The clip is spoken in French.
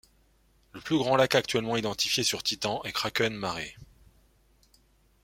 Le plus grand lac actuellement identifié sur Titan est Kraken Mare.